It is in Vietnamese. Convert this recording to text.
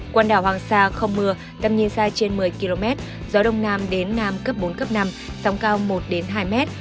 quần đảo hoàng sa không mưa tầm nhìn xa trên một mươi km gió đông nam đến nam cấp bốn cấp năm sóng cao một hai mét